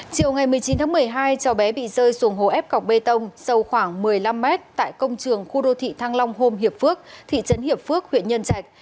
chiều ngày một mươi chín tháng một mươi hai cháu bé bị rơi xuống hồ ép cọc bê tông sâu khoảng một mươi năm mét tại công trường khu đô thị thăng long hôm hiệp phước thị trấn hiệp phước huyện nhân trạch